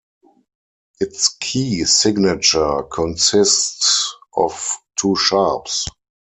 Its key signature consists of two sharps.